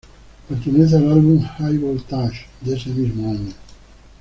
Pertenece al álbum High Voltage de ese mismo año.